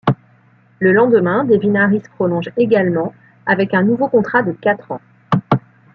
Le lendemain, Devin Harris, prolonge également, avec un nouveau contrat de quatre ans.